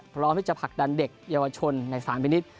พร้อมที่จะผลักดันเด็กเยาวชนในสารพินิษฐ์